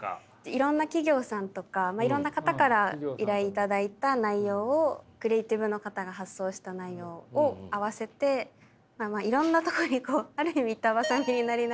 いろんな企業さんとかいろんな方から依頼いただいた内容をクリエーティブの方が発想した内容を合わせていろんなとこにある意味板挟みになりながら。